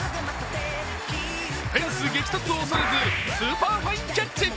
フェンス激突を恐れず、スーパーファインキャッチ。